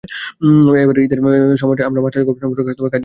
এবারের ঈদের সময়টায় আমার মাস্টার্সের গবেষণাপত্রের কাজ নিয়ে বেশ ব্যস্ততা আছে।